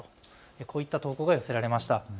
こういった投稿が寄せられました。